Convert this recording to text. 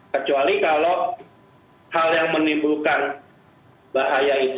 kecuali kalau hal yang menimbulkan bahaya itu